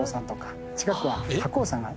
近くは。